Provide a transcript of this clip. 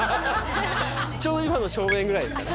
ちょうど今の正面ぐらいですかね